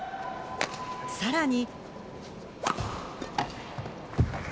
さらに。